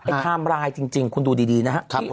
ไอ้ไทม์ไลน์จริงคุณดูดีนะฮะ